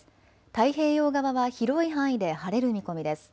太平洋側は広い範囲で晴れる見込みです。